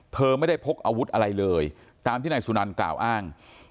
เธอไม่ได้พกอาวุธอะไรเลยตามที่นายสุนันกล่าวอ้าง